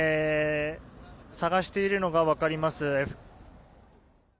探しているのが分かります。